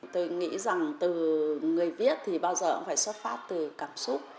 tôi nghĩ rằng từ người viết thì bao giờ cũng phải xuất phát từ cảm xúc